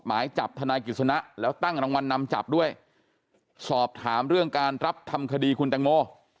หมายจับทนายกฤษณะแล้วตั้งรางวัลนำจับด้วยสอบถามเรื่องการรับทำคดีคุณแตงโม